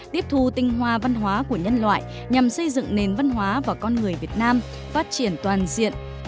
tiếp thu tinh hoa văn hóa của nhân loại nhằm xây dựng nền văn hóa và con người việt nam phát triển toàn diện